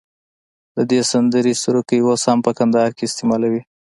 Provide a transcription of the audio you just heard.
د دې سندرې سروکي اوس هم کندهار کې استعمالوي.